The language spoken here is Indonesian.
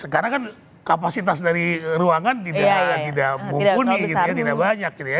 karena kan kapasitas dari ruangan tidak mumpuni tidak banyak gitu ya